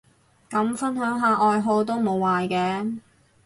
咁分享下愛好都無壞嘅